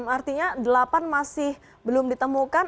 artinya delapan masih belum ditemukan